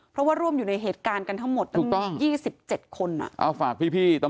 เพราะร่วมอยู่ทั้งเท่านี้